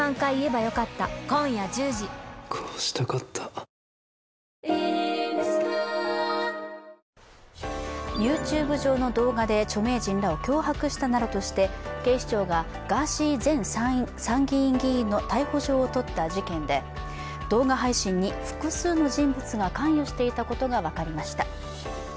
午後の紅茶おいしい無糖ＹｏｕＴｕｂｅ上の動画で著名人らを脅迫したなどとして警視庁がガーシー前参議院議員の逮捕状を取った事件で動画配信に複数の人物が関与していたことが分かりました。